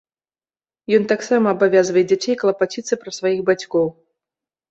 Ён таксама абавязвае дзяцей клапаціцца пра сваіх бацькоў.